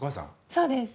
そうです。